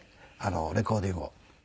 レコーディングを。